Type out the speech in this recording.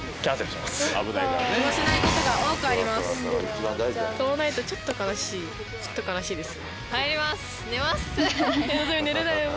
飛ばないとちょっと悲しいちょっと悲しいです。